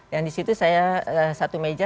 dan di situ saya satu meja